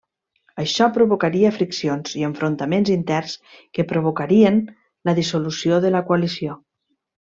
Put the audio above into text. Això provocaria friccions i enfrontaments interns que provocarien la dissolució de la coalició.